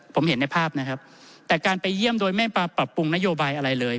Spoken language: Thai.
ผมเห็นในภาพนะครับแต่การไปเยี่ยมโดยไม่มาปรับปรุงนโยบายอะไรเลย